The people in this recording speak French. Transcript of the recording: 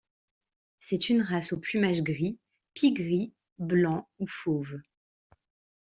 C'est une race au plumage gris, pie-gris, blanc ou fauve.